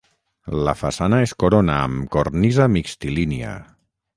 La façana es corona amb cornisa mixtilínia.